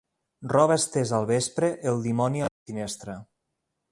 Roba estesa al vespre, el dimoni a la finestra.